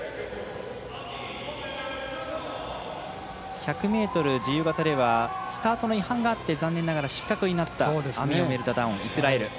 １００ｍ自由形ではスタートの違反があって残念ながら失格になったダダオンイスラエル。